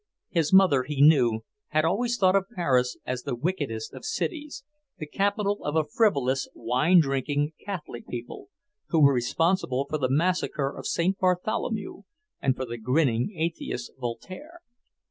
His mother, he knew, had always thought of Paris as the wickedest of cities, the capital of a frivolous, wine drinking, Catholic people, who were responsible for the massacre of St. Bartholomew and for the grinning atheist, Voltaire.